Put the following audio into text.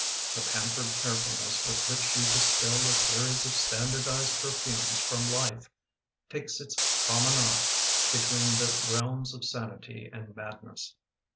The pampered carefulness With which you distil a series Of standardized perfumes from life Takes its promenade Between the realms of sanity and madness.